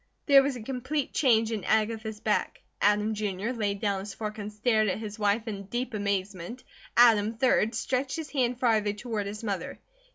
There was a complete change in Agatha's back. Adam, Jr., laid down his fork and stared at his wife in deep amazement. Adam, 3d, stretched his hand farther toward his mother.